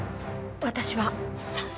私は賛成。